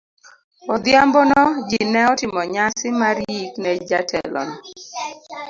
Odhiambono, ji ne otimo nyasi mar yik ne jatelono.